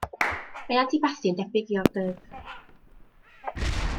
Mae antipasti yn debyg i hors d'oeurves.